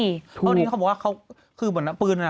เพราะที่เขาบอกว่าคือปืน